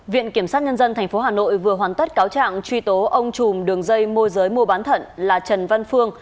viện kiểm sát nhân dân tp hà nội vừa hoàn tất cáo trạng truy tố ông trùm đường dây môi giới mua bán thận là trần văn phương